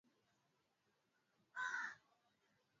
liz masinga ametuandalia taarifa ifuatayo